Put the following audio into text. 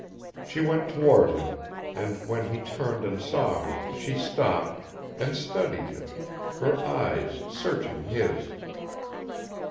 She went toward him, and when he turned and saw her, she stopped, and studied him, her eyes searching his.